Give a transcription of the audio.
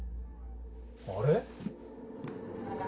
あれ？